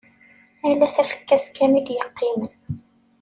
Ala tafekka-s kan i d-yeqqimen.